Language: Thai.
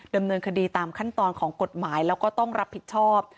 ดำเนินคดีตามขั้นตอนของกฎหมายแล้วก็ต้องรับผิดชอบ